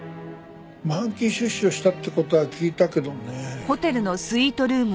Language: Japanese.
満期出所したって事は聞いたけどもね。